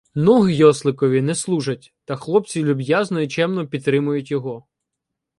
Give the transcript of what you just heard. Ноги Йосликові не служать, та хлопці люб'язно і чемно підтримують його.